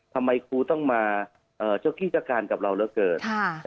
ทำไมครูต้องมาเจ้าขี้จักรกันกับเราแล้วเกิน